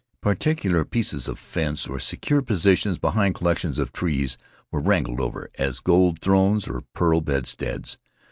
Particular pieces of fence or secure positions behind collections of trees were wrangled over, as gold thrones or pearl bedsteads.